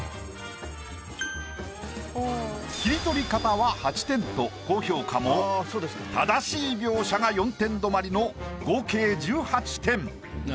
切り取り方は８点と高評価も正しい描写が４点止まりの合計１８点。